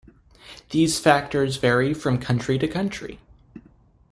These factors vary from country to country.